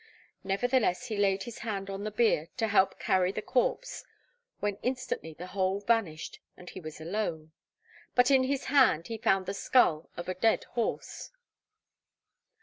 Nevertheless, he laid his hand on the bier, to help carry the corpse, when instantly the whole vanished, and he was alone; but in his hand he found the skull of a dead horse.